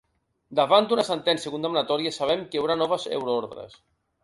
Davant d'una sentència condemnatòria sabem que hi haurà noves euroordres.